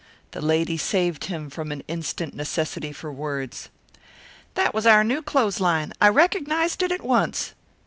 The lady saved him from an instant necessity for words. "That was our new clothesline; I recognized it at once."